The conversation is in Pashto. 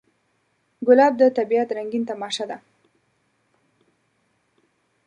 ګلاب د طبیعت رنګین تماشه ده.